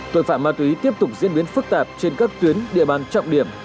tội phạm ma túy tiếp tục diễn biến phức tạp trên các tuyến địa bàn trọng điểm